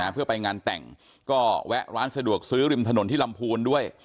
เพื่อไปงานแต่งก็แวะร้านสะดวกซื้อริมถนนที่ลำพูนด้วย